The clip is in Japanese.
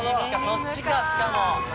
そっちかしかも。